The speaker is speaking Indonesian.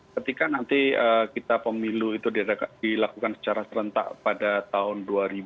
ketika nanti kita pemilu itu dilakukan secara serentak pada tahun dua ribu dua puluh